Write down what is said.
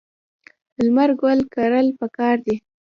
لمر ګل کرل پکار دي.